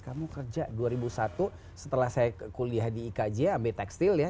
kamu kerja dua ribu satu setelah saya kuliah di ikj ambil tekstil ya